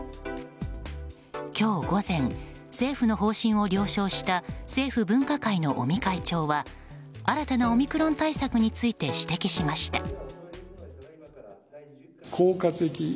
今日午前、政府の方針を了承した政府分科会の尾身会長は新たなオミクロン対策について指摘しました。